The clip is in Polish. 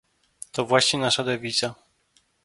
To właśnie nasza dewiza